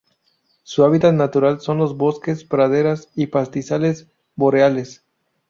Su hábitat natural son los bosques, praderas y pastizales boreales.